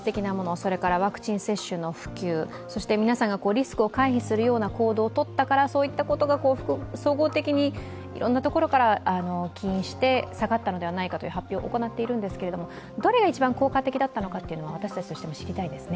それからワクチン接種の普及、皆さんがリスクを回避するような行動をとったらから、そういうことが複合的にいろんなところから起因して下がったのではないかという発表を行ってるんですけどどれが一番効果的だったのか、私たちとしても知りたいですね。